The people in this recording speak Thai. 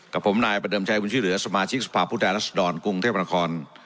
ครับผมนายปเดิมใช้วุญชลือสมาชิกสภาพวุทรแรมรัสดรกรุงเทพพลันคล